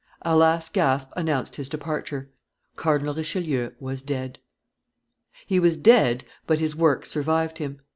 A last gasp announced his departure; Cardinal Richelieu was dead. He was dead, but his work survived him.